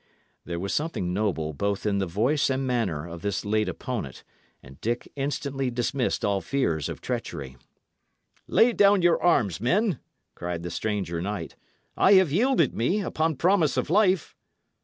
There was something noble both in the voice and manner of his late opponent, and Dick instantly dismissed all fears of treachery. "Lay down your arms, men!" cried the stranger knight. "I have yielded me, upon promise of life."